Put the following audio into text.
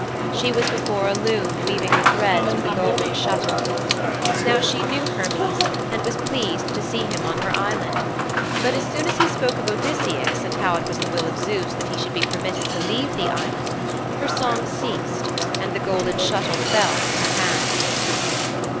She was before a loom weaving the threads with a golden shuttle. Now she knew Hermes and was pleased to see him on her Island, but as soon as he spoke of Odysseus and how it was the will of Zeus that he should be permitted to leave the Island, her song ceased and the golden shuttle fell from her hand.